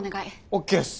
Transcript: ＯＫっす。